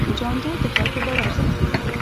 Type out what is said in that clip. جانداد د خلکو باور ساتي.